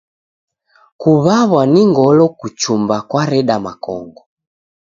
Kuw'aw'a ni ngolo kuchumba kwareda makongo.